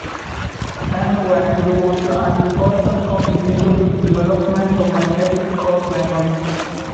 An Wang was an important contributor to the development of magnetic core memory.